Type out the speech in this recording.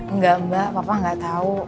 enggak mbak papa nggak tahu